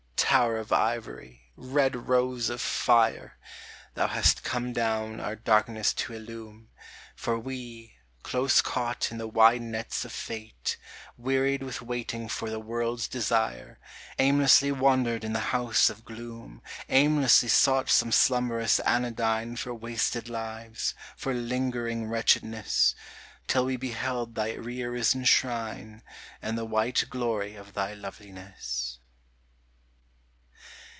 Tower of ivory ! red rose of fire ! Thou hast come down our darkness to illume : For we, close caught in the wide nets of Fate, Wearied with waiting for the World's Desire, Aimlessly wandered in the house of gloom, Aimlessly sought some slumberous anodyne For wasted lives, for lingering wretchedness, Till we beheld thy re arisen shrine, And the white glory of thy loveliness.